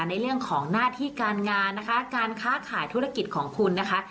ในเรื่องของหน้าที่การงานนะคะการค้าขายธุรกิจของคุณนะคะ